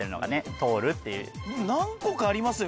通るっていう何個かありますよ